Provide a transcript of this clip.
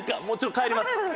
もうちょっと帰ります。